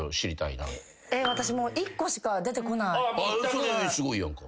それすごいやんか。